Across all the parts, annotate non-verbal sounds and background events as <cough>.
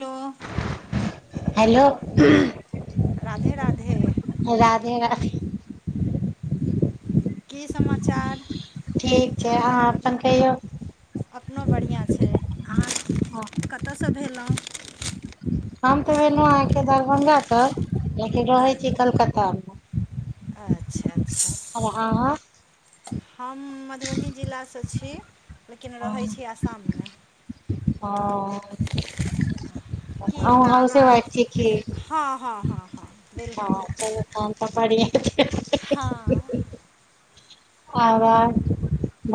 त। हेलो। राधे राधे। राधे राधे। कि समाचार? ठीक छै अहाँ अपन कहियौ? अपनो बढ़ियाँ छै हँ, अहाँ कतसँ भेलहुँ? हम ते भेलहु आहाँ के दरभंगा स ऽलेकिन रहै छी कलकत्ता मे। अच्छा अच्छ। और आहाँ हम मधुबनी जिलासँ छी लेकिन रहैत छी आसाममे हाँ की ओतय आहूँ अहाँ हाउसवाइफ छिए कि हँ हँ हँ हँ हँ बिलकुल चल तन तऽ बढ़िया छै हँ आर,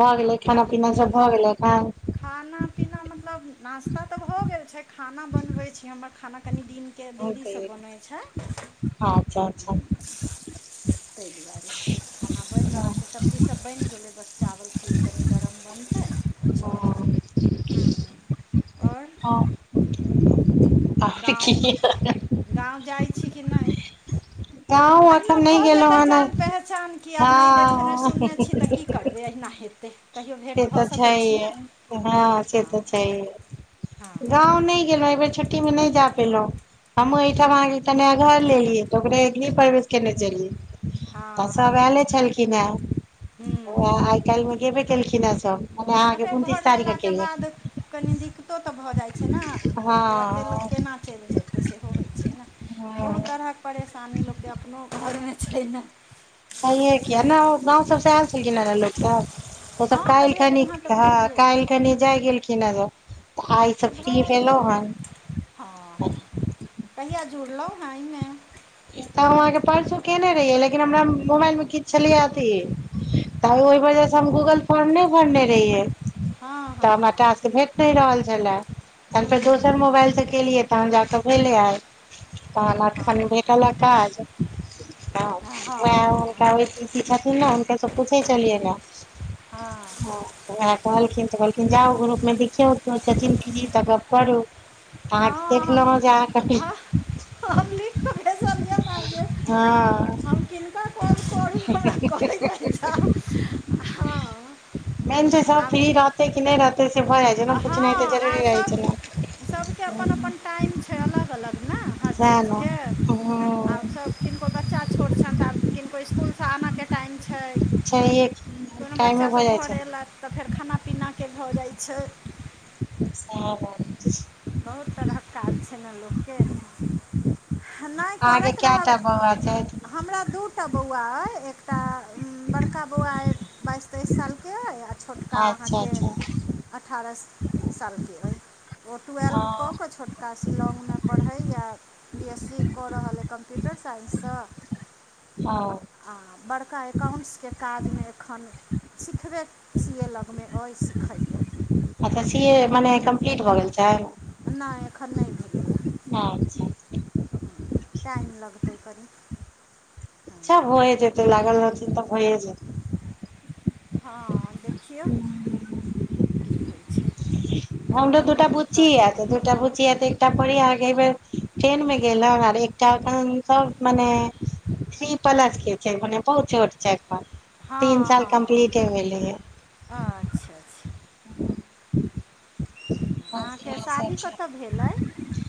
भऽ गेलै उएह खाना-पीना सब? हाउस एखन? खाना पीना मतलब नास्ता तऽ भऽ गेल छै खाना बनबै छी हमर खाना कनि दिन कैदेरी सब बनै छै हँ हँ, तऽ दुआरे। खाना बनि रहल हँ, छै सब्जीसभ बनि गेलै बस चावल कनि गरम बनतै हाँ आओर आ क गाँव गाँव जाइत छी कि नहि गाँव अहिना एखन नहि भऽ जेतै गेलहुँ हन जान पहचान की आब नहि देखने हँ सुनने छी तऽ की की करबे यहिना हेते से तऽ छैहे, हँ से तऽ हँ छैहे गाँव नहि। गेलं बेर छुट्टी मे नहि जा पेलहुँ हमहुँ एहिठाम तऽ घर लेलियै, तऽ ओकरे गृहप्रवेश केने छेलियै। तऽ हँ हँ सभ हँ आयल छलखिन हेँ, उएह हूँ आइ-काल्हिमे गेबे केलखिन हेँ सभ। मने आ अहाँके फेर घर उनतीस तारीखके लेलाक बाद केलियै कनि दिक्कतो तऽ भऽ जाइत छै ने, तुरते हँ लोक केना। चलि जेतै, सेहो होइत छै ने। हँ बहुत तरहक परेशानी लोकके अपन घरमे सेहो होइत छै ने। छैहिये, आ किया ने गाँवसँ आयल छलखिन लोकसभ। आओर सभ हँ तऽ भेँट घाँट भइए गेल काल्हि-परसों जाय गेलखिन ओ सभ। तऽ आइ सभ भऽ फ्री गेलै भेलहुँ हन। हँ हँ ह कहिया जुड़लहुँ एहिमे इ काम हम अहाँके परसू केयने रहियै लेकिन हमरा मोबाइलमे किछु छलियै अथी तऽ ओहि वजहसँ हम गूगल फॉर्म नहि भरने रहियै, हँ तऽ हँ हमरा हँ टास्क। तऽ भेट नहि रहल छलए, तखन फेर हूँ हूँ, दोसर मोबाइलसँ केलियै, तखन जा कऽ आइ भेलै। तहन हँ अखन हँ भेटल आ टास्क हँ वेहा हुनका क छथिन ने हुनके सब पूछै छललियै ने हँ हँ ह ओ कहलखिन तऽ कहलखिन, जाउ, ग्रुपमे देखियौ, कियो फ्री छथिन तऽ गप्प करू। आहाँ के देखलो जे आहानके कथि ह हम लिख के भेजलिये हिनका कहलिए, हँ हम किनका कॉल करू? हमरा कहै जाय, जाउ। हँ मेन छै सब आब फ्री रहते की नहि रहते से भा जाये हँ आओर सभ सभके अपन अपन सएह टाइम छै अलग अलग ने हर चीजके ने आब हँ सभ किनको बच्चा छोट छनि, तऽ आब किनको इसकुलसँ आनयके टाइम छै। छैहे कि दुनू टाइमे भऽ बच्चासभ जाइ घर छै अयलथि तऽ फेर खाना-पीना भऽ जाइत छै। सेहए बात छै। बहुत तरहक काज छै ने लोकके नहि अहाँके करैत रहब कएटा बौआ छथि हमरा दू टा बौआ अइ एक तऽ बड़का बौआ अइ। बाइस-तेइस सालके आ छोटका अच्छा अहाँके। अच्छा अठारह सालके अइ। टूवेल्व कऽ हँ कऽ छोटका शिलौंग में पढ़ैया। बी एस सी कऽ रहल कम्प्यूटर साइन्ससँ। हँ। आ बड़का एकाउंट्स के काज में एखन। सिखबे सी ए लग में अइ सिखैयए। अच्छा सी ए मने कम्प्लीट भऽ गेल छै। नै एखन नै भेलैए। अच्छा। टाइम लगतै कनी। अच्छा भए जेतै लागल रहतै तऽ भए जेतै। हँ देखियौ की होइ छै। जे हमरो दूटा भगवती बुच्ची यै करथिन तऽ दु। एकटा बुचिया तऽ एकटा पढ़ैया अहाँके एय बेर टेन में गेलऽ आर एकटा अखन सब मने। थ्री प्लस के छै, मने बहुत छोट छै एखन तीन साल कम्प्लीटे भेलैयै। अच्छा-अच्छा। <unintelligible> अहाँके शादी कतऽ भेलै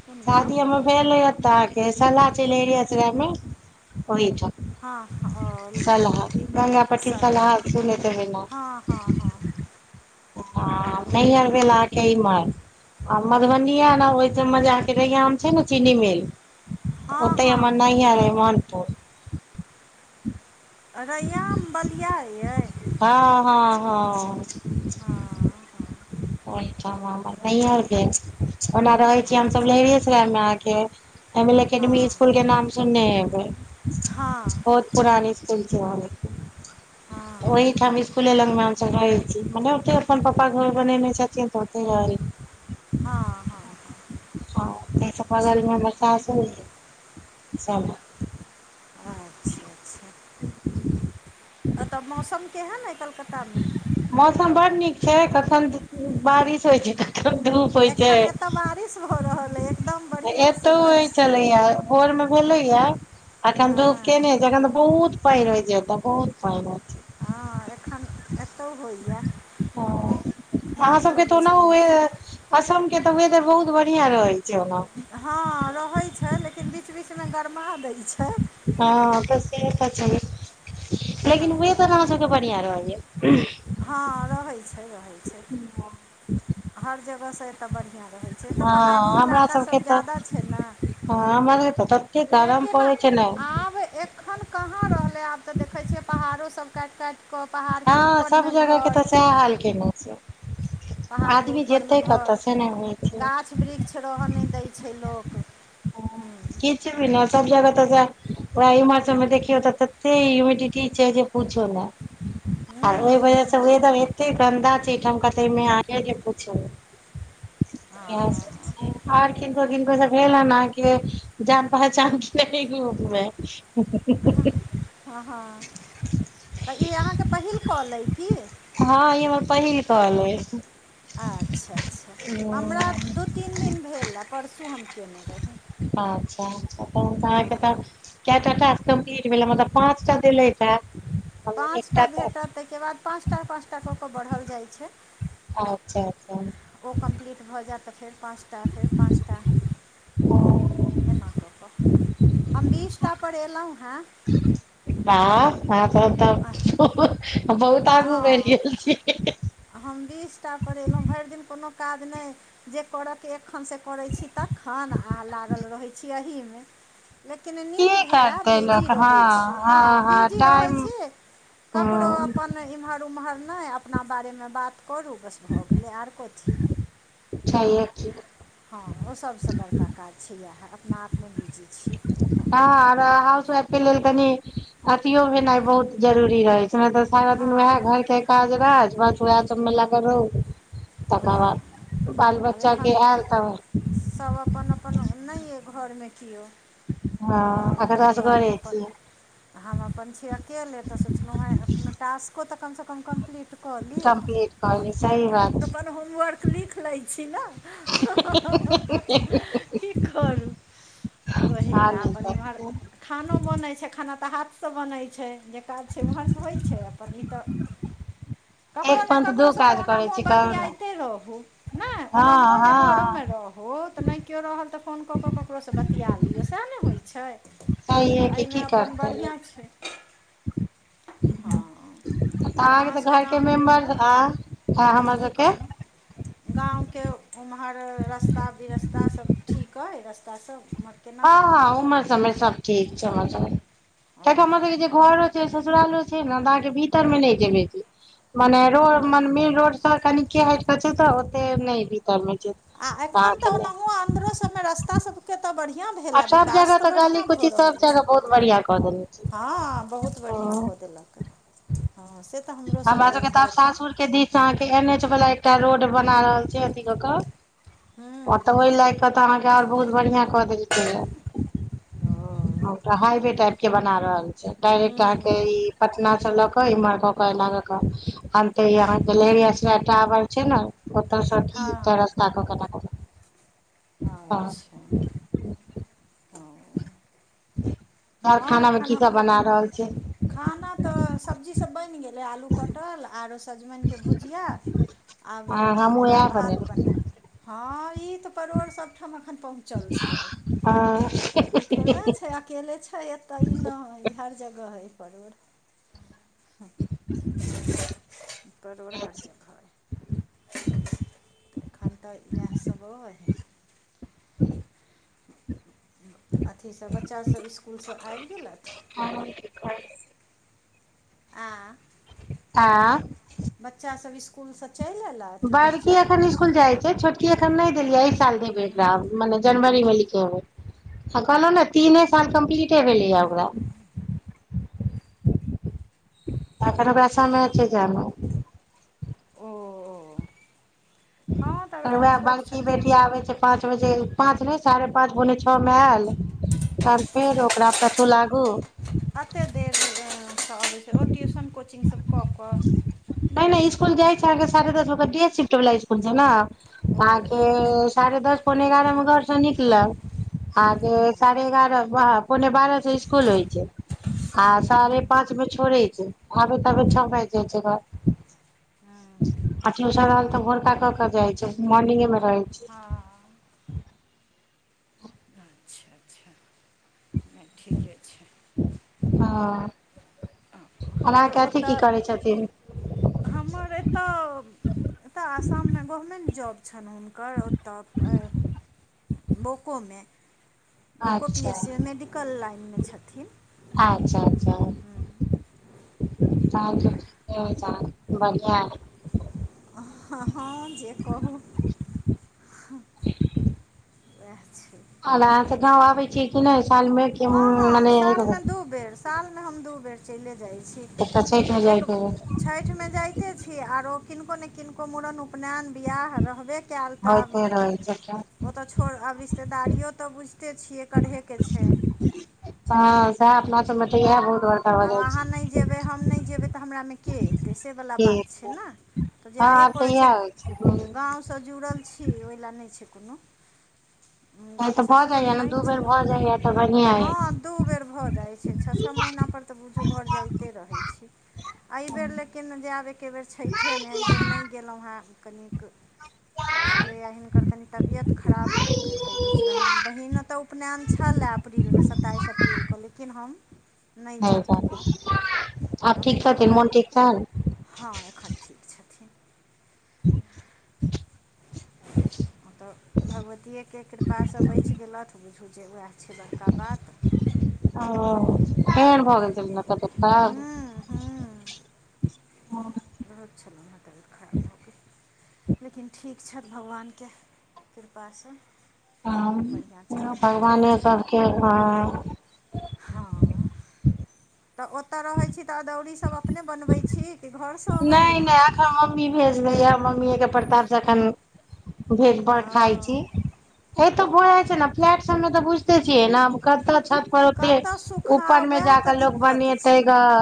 कोन गाँव शादि हम्मर भेल एय ओतऽ अहाँक। केसल्ला छेलै लहरिया सराए में ओहिठां। हँ हँ ओ सलहा, गंगापट्टी सलह सलहा सुनैत हेब्बै हँ हँ नाम। <unintelligible> हाँ, नैहर भेल अहाँके इम्हर। आ मधुबनीया एना होय छै मजा के रैयाम छै न चीनी मिल। तऽ हँ ओत्तै हँ हम्मर नहियर अय मोहनपुर। रैयाम बलिआ यै। हाँ हँ हँ। हँ। हँ ओहिठाम हम्मर नैहर भेल, ओना रहै छी हमसभ अच्छा लेहरियेसराय में अहाँके। एमल एकडमी हँ इस्कूल के नाम सुनने हेब्बै हँ ओ। पुरान इस्कूल छै ओहै में, हँ ओहिठाम इस। कूले लग में हमसब रहै छी, मने ओते अपन पप्पा घर बनेने छथिन तऽ ओते रहै छी। हँ हँ हँ हं तै सऽ बगल में हमर। सासुर भेल सब। अच्छा-अच्छा, एतऽ मौसम केहन अइ कलकत्ता में। मौसम बड्ड नीक छै, कखन बारिश होइ छै, कखन धूप। होइ छै एखन एतऽ बारिश भऽ रहल अइ। एकदम आ बढ़िआँसँ एतौ होइ बारिश छलैया। भोर में भेलैय, अखन धूप हँ केने छै अखन तऽ बहुत। पैइन होय छै एतऽ, बहुत पैइन होय छै। हँ एखन एतौ होइए। हँ अहाँ नीक सबके तऽ लगै ओना छै वे मौसम। असम के तऽ वेदर बहुत बढ़ियां रहै छै ओना। हँ रहै छै, लेकिन बीच-बीच में गरमा दै छै। हँ से तऽ छैईए। हँ लेकिन वेदर अहाँ सबके बढ़ियां रहैया- - हँ रहै छैई- रहै छैई- - हर जगहसँ एतऽ बढ़ियां रहै छैई, एतऽ पहाड़ी हँ इलाका सब ज्यादा छै न- - हँ हमरा नैई पत्ता गरम पड़ै छै न- - अखन कहाँ रहलै आब तऽ देखे छियै पहाड़ो सब काइट-काइट - - कऽ पहाड़ के ऊपर में घर- - सैह हाल केने छै। पहाड़ के आदमी ऊपर में जेतै कतऽ घर- से नहि होइ - छै गाछ वृक्ष रहऽ नै दै छै लोक हूं। किछ भी न सब जगह तऽ सैह- - वेहे ईम्हर सब में देखियौ तऽ तते ह्युमिडिटी छैय जे पूछू नै- - आ हूँ ओय वजह हूँ सँ वेदर एते गंन्दा छैय एहिठाम का ते में आहाँ के जे पुछु नै- - यै सब छैई कहलखिन - - दो दिन पैसा भे अना के जान पहचान की नै लोक रहै उहु। हू- हू -हू- - हँ- हँ- - सखी आहाँके पहिल कॉल अय की- - हँ ई हमर पहिल कॉल अच्छा -अच्छा हमरा अछि दू तीन दिन भेल परसू हम केने रहिये। अच्छा-अच्छा तहन आहाँ के त- - केय टा टास्क कमप्लिट भेल मतलब पाँचटा देले थै। पाँच टा भेटत तैके बाद पाँच टा -पाँच टा क कऽ बढ़ल जाय छैई। हां चे- चे- - ओ कम्प्लीट भऽ जायत फेर पाँच टा फेर पाँच टा- - एना क कऽ हम बीस टा पर एलै हेँ। बाह अहा सब त बहुत बहुत आगू बैढ़ हँ गेल छिए। <inaudible> हम बीस टा पर एलौ भैर दिन कोनो काज नैय जे कर- - एखन से करै छी तखन आ लागल रहै छी एहीमे- - लेकिन नीक भेलए करतै बिजी लोक हँ रहै छिई, हँ बिजी रहै छिई- - ककड़ो हँ अपन- - नैई इम्हर -ओम्हर नै अपना बारे मे बात करू बस भऽ गेलै और कथी- छैहे की - हँ ओ सब सँ बड़का काज छै इएहे अपना आप मे बीजी- - हँऔर हाउस वाइफ के लेल कनी अथियो भेनाय बहुत जरूरी रहै। नैई त सारा हँ दिन वएह घर के काज -राज बस उएह सब मे लागल रहु- - तकर बाद बाल आब बच्चा के एखन एल त- - सब अपन -अपन नैय अई घर मे कियो- - तऽ हँ अगर तैय दुआरे असगरे छियै अपन- - हम अपन छी अकेले तऽ सोचलौ हँ अपना टास्को तऽ कम से कम कम्प्लीट- - कम्प्लीट कऽ ली सही बात- - अपन होमवर्क लिख लै छी न हा - हा की करू- - ओही हँ लए नहि अपन इम्हर तऽ खानो बनैत छै खाना तऽ हाथ सँ बनै छै जे काज छै ओम्हर से होय छै। कहीं तऽ एक ककरो ने पंथ दू ककरो से काज तऽ करै ओनाहो छै बात- - कहू ने ईतिहाते रहू नै हँ ओनाहु जे घरो मे हँ रहू तऽ नैय कियो रहल तऽ फोन कऽ क- - ककरो सँ बतिया लिया सेएह न होय छैय तऽ सहिये कि एहिमे की अपन करतै बढ़ियाँ लोक छैय। हँ। आब अहाँके आहाँ सब तऽ के घरके गाँव के मेम्बर उम्हर आ हमर की सबके कहलौ। गाँव के उम्हर रास्ता बिरस्ता सब ठीक अइ रास्ता सब। केना हँ की हँ उम्हर सब मे सब ठीक छै उम्हर सबमे किया कि हमर सबके जे ओ घर सोसरालो छैन आहाँ के भीतर मे नै जेबै मने रोड मेन रोड स कनिके हैट क छै तऽ ओते नै भितर मे जेत। आ एखन तऽ ओनाहु आ अन्दरो सब मे रास्ता सब केतऽ बढ़ियाँ भेल आ सब विकास जगह तऽ गली बढ़ियाँ भऽ कुची सब रहल अइ। जगह बहुत बढ़िया कऽ देने छै हँ बहुत ओ बड़िया कऽ देलक हँ से तऽ हमरो सबके एम्हर एखन त दिस अहाँ के एन एच वाला एकटा रोड बना रहल छै अथी कऽक हूँ अटबै लाग तब तऽ अहाँके और बहुत बढ़िया कऽ देलकै या। हँ। ह ओट हाईवे टाइप के बना रहल छैय डायरेक्ट आहाँ के हूँ हूँ ई पटना सबलक इम्हर कऽक एना कऽक आनतै इ आहा के लेहेरया सराय टावर छैय नऽ। ओत सँ की तऽ हँ रास्ता कऽक एना कऽ हँ अच्छा। हँ। आर खाना मे एखन की सब हमरो बना रहल छियै? खाना तऽ सब्जीसभ बनि गेलै आलू पटल आरो सजमनि। के भुजिया आरो हँ हमहुँ ओएह इएह भात बनेबै बनाय हँ ई तऽ परोड़ सभठाम अखन पहुँ चल छैय हँ ई थोड़बे छैय अकेले छैय। छै एतैऽ नहि ई हर जगह हइ परवर। परोर हर जगह। अइ अखन तऽ इएहसभ रहत। अथी सब बच्चा सभ स्कूल से ऐबि गेलेथ? हँ <unintelligible> आय। आँ बच्चा सब स्कूल से चैल ऐला? अयलथि बड़की एखन स्कूल खुल जाइ छै छोटकी एखन नहि देलिया एहि साल देबै एकरा मने जनवरी मे लिखेबै। हा कहलहु ने तीने साल कम्पलीटे भेलैए ओकरा। अखन ओकरा समय छै जेए में। ओ हँ तऽ आब एखन वएह छोट बरकी छथिन बेटी आबै छै‌। पाँच बजे पाँच नहि साढ़े पाँच पोने छअ मे ऐयल। तहन फेर ओकरा पछु लागू। कते देर स आबै छै ओ ट्यूशन कोचिंग सब कऽक। नै नै स्कुल जाइ छै अहाँके साढ़े दस ओकरा डे शिफ्ट बला स्कुल छै न। ओ अहाँके साढ़े दस पोने एगारहमे घरसँ निकलल। हँ आहाके साढ़े एगारह पौने बारह सँ स्कुल होइ छै। आ साढ़े पाँच मे छोड़ै छै आबेत-आबैत छ बाइज जाय छै घर। अठी उसा रहल तऽ भोरका कऽक जाय छै मोर्निंगे मे रहे छै। हां। अच्छा-अच्छा। ठीके छै। हां। आओर ओतय। हमर एत, आसाम में गवर्मेन्ट जॉब छैन हुनकर। घर ओतऽ। बोको में, बोको पी अच्छा एस सी में मेडिकल लाइन में छथिन। अच्छा-अच्छा। तहन तऽ ठीके अइछ अहाँक, बढ़िया अइ। हाँ हँ जे कहू। वैह छै। आब अहाँ सब गांव आबै छीयै। हँ हँ साल में दू बेर, साल में हम दू बेर चइले जाइ छी। एकटा छैठ में जाइत हेबै। छैठ में जाइते छी, आरो किनको ने किनको मुड़न- उपनैन। बीयाह रहबे कैयल तऽ आब। होइते रहै छै तऽ। ओत छोड़, आब रिश्तेदारियो तऽ बुझिते छियै करहे के छै। हँ सैह अपना सबमें तऽ यहै बहुत बरका। आब अहाँ नय जबै, हम नय जेबै तऽ हमरा में के एतै से वला बात ठीक छै न। तऽ हँ जायए आब तऽ पड़ै छै, इएह होइ नहि गाँव से जुड़ल छी ओहि ले नय छै कोनो। तऽ भऽ ससुर जाइया ने नहि दू बेर छथि भऽ जाइया तऽ बढ़िआँ अइ हँ। दू बेर भऽ जाइ छै, छह-छह महीना पर तऽ बुझू घर जाइते रहै छी। एहिबेर लेकिन जायब एके बेर छइठे में नहि एहिबेर नहि गेलहुँ हेँ कनिक। <unintelligible> छलैय, हिनकर कनि तबियत खराब भऽ गेल तऽ एहि बीच में हम बहिन अतऽ उपनयन छलए अप्रीलमें। सताईस अप्रीलक लेकिन हम नहि जा। <inaudible> पेलहुँ आब आब ठीक हम छथिन, हिनकर मन ठीक छैनि। हँ एखन ठीक छथिन। ओतऽ भगवतियेके कृपासँ बचि गेलथि बुझू जे उएह। छै बड़का बात। ओ, एहेन भ गेल छलैन हँ तबियत खराब। हूँ हूँ बहुत छलैन हँ तबियत खराब भऽ गेल। लेकिन ठीक छैथि भगवानके कृपासँ। हूं, बढ़िआँ छथि एखन ठीक भगवाने छथि सभके हऽ। हँ तऽ ओतय रहैत छी तऽ अदौरी सब अपने बनबै। छी कि घर। नइ-नइ एखन मम्मी भेज दैए यऽ मम्मीएके प्रतापसँ एखन। भेट भर खाय हँ छी। एत भऽ जा छै ने, फ्लैट सबमें तऽ बुझते छियै ने कत्त छत। पर ओते कतय ऊपर सुखाउ में उएह जाक तऽ लोग दिक्कत बनेते छै गऽ।